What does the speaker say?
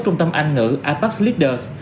trung tâm anh ngữ apac leaders